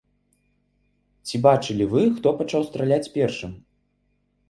Ці бачылі вы, хто пачаў страляць першым?